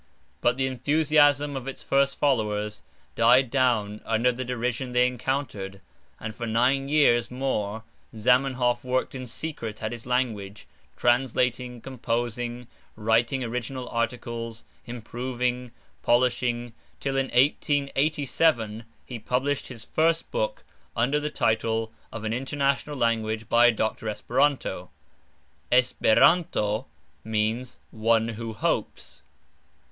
But the enthusiasm of its first followers died down under the derision they encountered, and for nine years more Zamenhof worked in secret at his language, translating, composing, writing original articles, improving, polishing, till in 1887 he published his first book under the title of "An International Language by Dr. Esperanto." ("Esperanto" means "one who hopes").